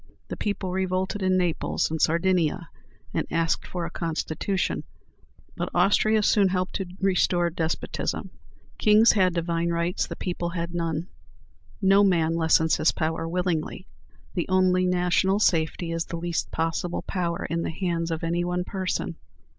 The people revolted in Naples and Sardinia, and asked for a constitution; but Austria soon helped to restore despotism. Kings had divine rights; the people had none. No man lessens his power willingly. The only national safety is the least possible power in the hands of any one person.